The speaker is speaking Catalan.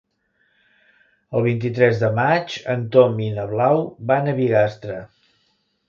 El vint-i-tres de maig en Tom i na Blau van a Bigastre.